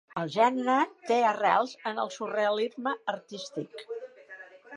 El gènere té arrels en el surrealisme artístic.